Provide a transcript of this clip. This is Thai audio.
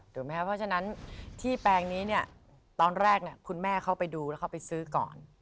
เพราะฉะนั้นที่แปลงนี้เนี่ยตอนแรกคุณแม่เข้าไปดูแล้วเขาไปซื้อก่อน